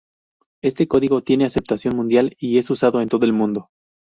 Este código tiene aceptación mundial y es usado en todo el mundo.